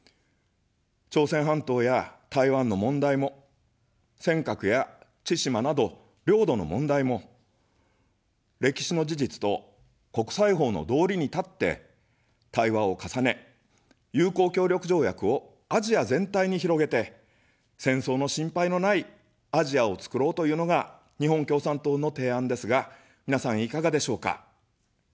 朝鮮半島や台湾の問題も、尖閣や千島など領土の問題も、歴史の事実と国際法の道理に立って、対話を重ね、友好協力条約をアジア全体に広げて、戦争の心配のないアジアをつくろうというのが日本共産党の提案ですが、みなさんいかがでしょうか。